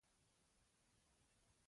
د اساسي حقوقو اړیکه له حقوقي پوهو سره